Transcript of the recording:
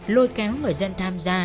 lôi kéo người dân tham gia